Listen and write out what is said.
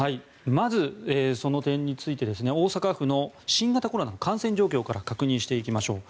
まず、その点について大阪府の新型コロナの感染状況から確認していきましょう。